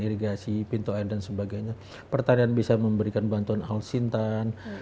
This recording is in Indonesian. irigasi pintu air dan sebagainya pertanian bisa memberikan bantuan al sintan